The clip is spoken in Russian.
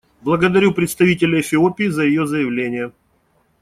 Благодарю представителя Эфиопии за ее заявление.